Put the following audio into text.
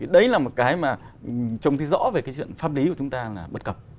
đấy là một cái mà trông thấy rõ về cái chuyện pháp lý của chúng ta là bất cập